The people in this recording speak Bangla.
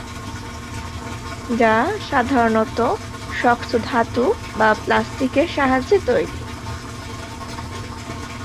যা সাধারণত শক্ত ধাতু বা প্লাস্টিকের সাহায্যে তৈরি।